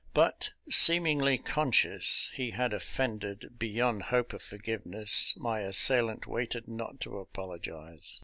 But, seemingly conscious he had offended beyond hope of forgiveness, my assailant waited not to apologize.